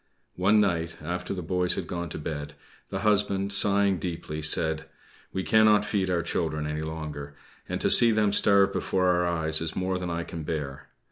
One night after the boys had gone to bed the husband sighing deeply, said "We cannot feed our children any longer, and to see them starve before our eyes is more than I can bear.